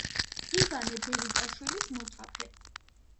ივანე ბერიტაშვილის მოწაფე.